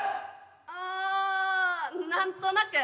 あ何となく。